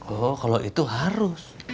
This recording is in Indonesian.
oh kalau itu harus